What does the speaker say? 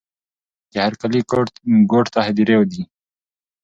د هر کلي ګوټ ته هدېرې دي.